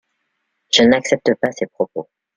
Je n’accepte pas ces propos.